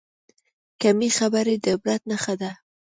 کمې خبرې، د عبرت نښه ده.